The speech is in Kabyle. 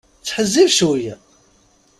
Ttḥezzib cwiya.